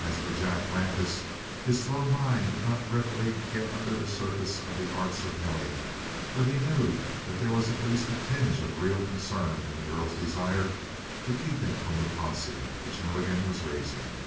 As for Jack Landis, his slow mind did not readily get under the surface of the arts of Nelly, but he knew that there was at least a tinge of real concern in the girl's desire to keep him from the posse which Milligan was raising.